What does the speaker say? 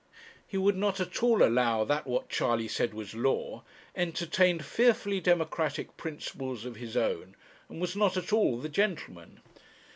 He would not at all allow that what Charley said was law, entertained fearfully democratic principles of his own, and was not at all the gentleman.